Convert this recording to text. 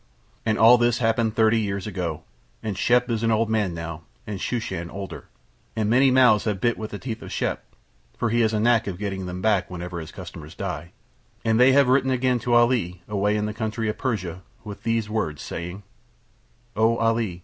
And all this happened thirty years ago, and Shep is an old man now and Shooshan older, and many mouths have bit with the teeth of Shep (for he has a knack of getting them back whenever his customers die), and they have written again to Ali away in the country of Persia with these words, saying: "O Ali.